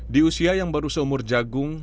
di usia yang baru seumur jagung